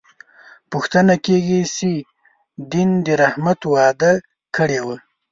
پوښتنه کېږي چې دین د رحمت وعده کړې وه.